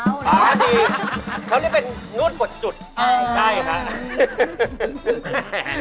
เขาเรียกเป็นนวดปวดจุด